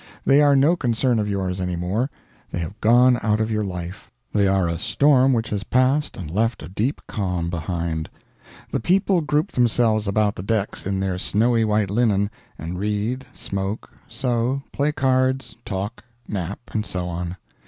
They are no concern of yours any more; they have gone out of your life; they are a storm which has passed and left a deep calm behind. The people group themselves about the decks in their snowy white linen, and read, smoke, sew, play cards, talk, nap, and so on.